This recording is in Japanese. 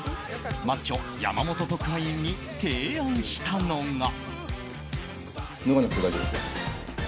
マッチョ山本特派員に提案したのが。